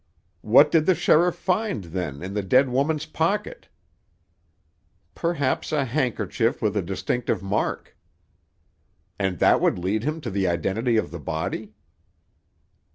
"What did the sheriff find, then, in the dead woman's pocket?" "Perhaps a handkerchief with a distinctive mark." "And that would lead him to the identity of the body?"